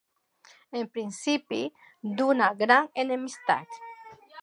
El principi d'una gran enemistat.